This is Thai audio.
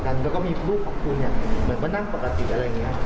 บำคับให้หนูโทรหาด้านบ้านบอกให้แม่ไม่ต้องตามหาหนู